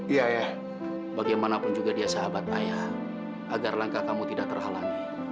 iya ayah bagaimanapun juga dia sahabat ayah agar langkah kamu tidak terhalangi